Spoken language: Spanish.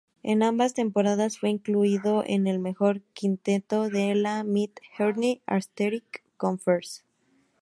En ambas temporadas fue incluido en el mejor quinteto de la Mid-Eastern Athletic Conference.